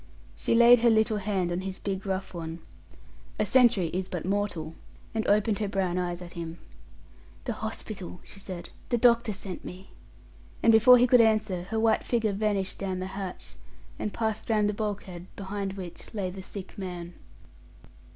She laid her little hand on his big rough one a sentry is but mortal and opened her brown eyes at him. "The hospital," she said. "The doctor sent me"; and before he could answer, her white figure vanished down the hatch, and passed round the bulkhead, behind which lay the sick man.